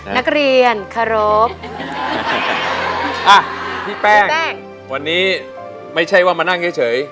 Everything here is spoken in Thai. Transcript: นักเรียนเคารพอ่ะพี่แป้งแป้งวันนี้ไม่ใช่ว่ามานั่งเฉยเฉย